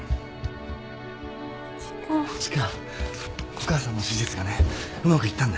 お母さんの手術がねうまくいったんだよ。